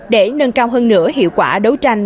để nâng cao hơn nửa hiệu quả đấu tranh